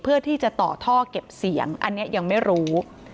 เพื่อที่จะต่อท่อเก็บเสียงอันนี้ยังไม่รู้